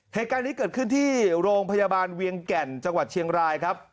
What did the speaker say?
เหตุการณ์นี้เกิดขึ้นที่โรงพยาบาลเวียงแก่นจังหวัดเชียงรายครับ